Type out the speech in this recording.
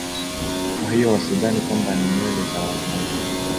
kwa hiyo wasidhani kwamba ni nywele za wazungu